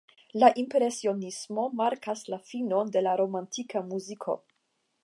La impresionismo markas la finon de la romantika muziko.